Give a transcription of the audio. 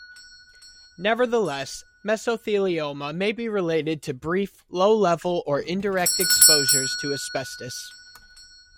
Nevertheless, mesothelioma may be related to brief, low level or indirect exposures to asbestos.